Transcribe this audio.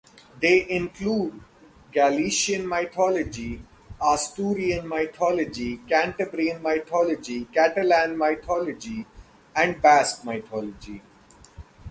They include Galician mythology, Asturian mythology, Cantabrian mythology, Catalan mythology and Basque mythology.